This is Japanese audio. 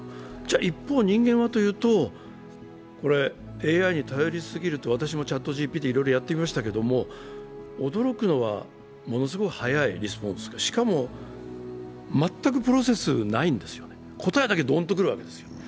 一方、人間はというとＡＩに頼りすぎると、私もＣｈａｔＧＰＴでいろいろやってみましたけど、驚くのは、ものすごい速いリスポンスで、しかも全くプロセスないんですよ、答えだけどんと来るわけですよ。